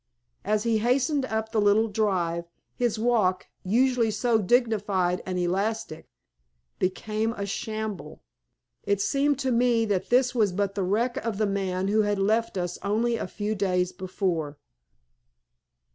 As he hastened up the little drive, his walk, usually so dignified and elastic, became a shamble. It seemed to me that this was but the wreck of the man who had left us only a few days before.